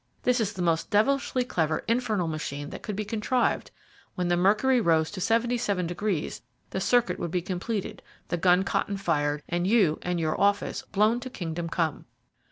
"This is the most devilishly clever infernal machine that could be contrived. When the mercury rose to seventy seven degrees the circuit would be completed, the gun cotton fired, and you and your office blown to kingdom come."